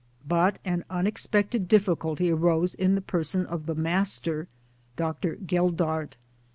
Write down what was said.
But an unexpected difficulty arose in the person of the Master (Dr. Geldart).